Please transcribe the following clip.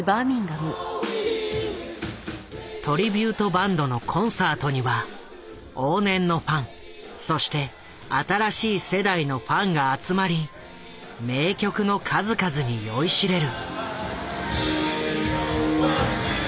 トリビュートバンドのコンサートには往年のファンそして新しい世代のファンが集まり名曲の数々に酔いしれる。